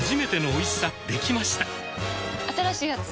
新しいやつ？